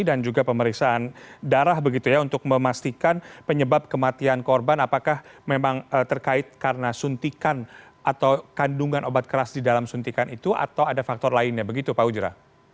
dan juga pemeriksaan darah begitu ya untuk memastikan penyebab kematian korban apakah memang terkait karena suntikan atau kandungan obat keras di dalam suntikan itu atau ada faktor lainnya begitu pak ujira